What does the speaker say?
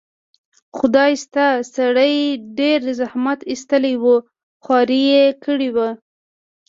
خدای شته، سړي ډېر زحمت ایستلی و، خواري یې کړې وه.